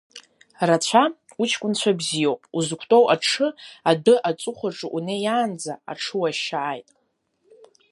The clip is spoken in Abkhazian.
Рацәа уҷкәына бзиоуп, узықәтәоу аҽы адәы аҵыхәаҿы унеиаанӡа аҽы уашьааит!